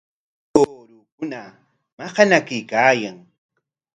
Ishkay tuurukuna maqanakuykaayan.